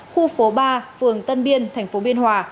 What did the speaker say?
khu phố ba phường tân biên thành phố biên hòa